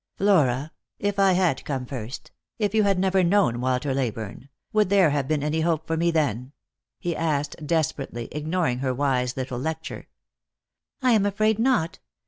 " Flora, if I had come first — if you had never known Walter Leyburne, would there have been any hope for me then ?" he asked desperately, ignoring her wise little lecture. "I am afraid not.